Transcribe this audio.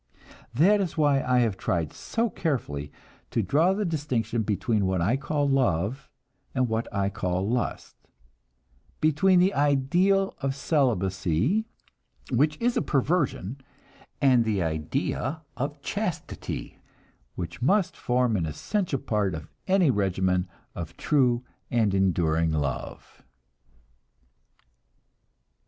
That is why I have tried so carefully to draw the distinction between what I call love and what I call lust; between the ideal of celibacy, which is a perversion, and the idea of chastity, which must form an essential part of any regimen of true and enduring love.